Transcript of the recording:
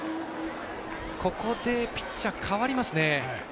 ここでピッチャー代わりますね。